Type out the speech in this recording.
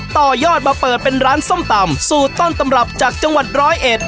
ต่อยอดมาเปิดเป็นร้านส้มตำสูตรต้นตำรับจากจังหวัดร้อยเอ็ด